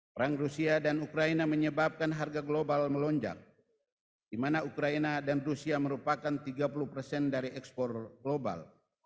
perang rusia dan ukraina menyebabkan harga global melonjak di mana ukraina dan rusia merupakan tiga puluh persen dari ekspor global